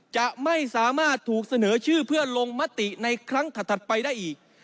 จะไม่สามารถถูกเสนอชื่อเพื่อลงมติในครั้งถัดไปได้อีก